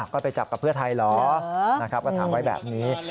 ก็ไปจับกับเพื่อไทยเหรอถามไว้แบบนี้